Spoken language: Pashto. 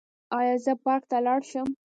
ایا زه پارک ته لاړ شم؟